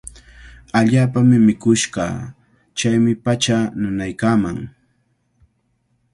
Allaapami mikush kaa. Chaymi pachaa nanaykaaman.